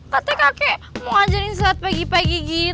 katanya kakek mau ajarin selat pagi pagi gitu